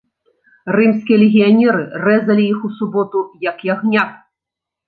Рымскія легіянеры рэзалі іх у суботу, як ягнят.